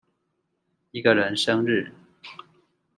一個人生日